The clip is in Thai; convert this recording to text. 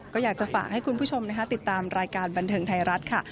ก็อยากจะฝากให้คุณผู้ชมติดตามรายการบันเทิงไทยรัฐค่ะ